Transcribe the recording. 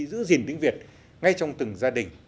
giữ gìn tiếng việt ngay trong từng gia đình